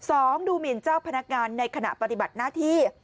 สองดูหมินเจ้าพนักงานในขณะปฏิบัติหน้าที่